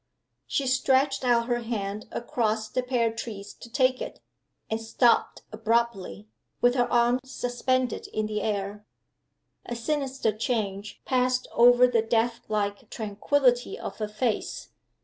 She stretched out her hand across the pear trees to take it and stopped abruptly, with her arm suspended in the air. A sinister change passed over the deathlike tranquillity of her face.